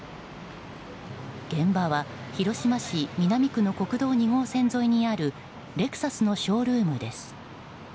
現場は広島市南区の国道２号線沿いにあるレクサスのショールームです。